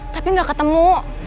tapi nggak ketemu